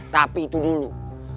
tapi itu dulu